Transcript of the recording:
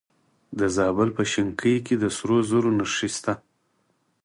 د زابل په شنکۍ کې د سرو زرو نښې شته.